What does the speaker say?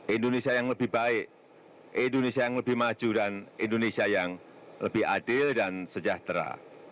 indonesia yang lebih baik indonesia yang lebih maju dan indonesia yang lebih adil dan sejahtera